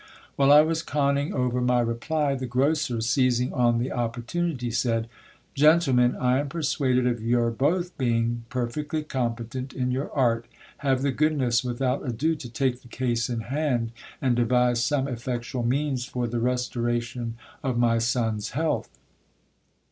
While I was conning over my reply, the grocer, seizing on the opportunity, said — Gentlemen, I am persuaded of your both being per fectly competent in your art ; have the goodness without ado to take the case in hand, and devise some effectual means for the restoration of my son's health.